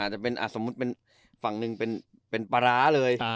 จะเป็นสมมุติเป็นฝั่งหนึ่งเป็นปลาร้าเลย